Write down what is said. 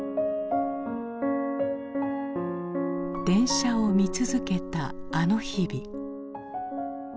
電車を見続けたあの日々。